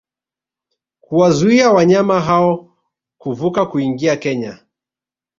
kuwazuia wanyama hao kuvuka kuingia Kenya